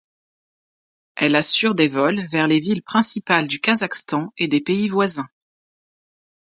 Elle assure des vols vers les villes principales du Kazakhstan et des pays voisins.